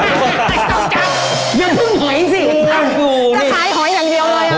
ไม่ต้องจับยังเพิ่งหอยสิอ้าวนี่จะขายหอยอย่างเดียวเลยอ่ะ